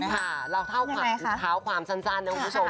ค่ะเราเท่าความสั้นนะครับคุณผู้ชม